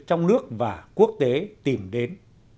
trong nước và quốc tế tìm đến